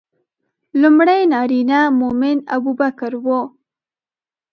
لومړی نارینه مؤمن ابوبکر و.